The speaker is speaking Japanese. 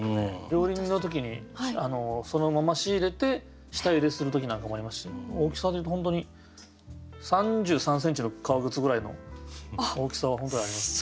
料理人の時にそのまま仕入れて下ゆでする時なんかもありますし大きさでいうと本当に３３センチの革靴ぐらいの大きさは本当にあります。